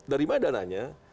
dari mana dananya